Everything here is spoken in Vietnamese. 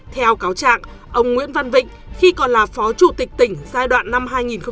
theo cáo trạng ông nguyễn văn vịnh khi còn là phó chủ tịch tỉnh giai đoạn năm hai nghìn một mươi hai hai nghìn một mươi năm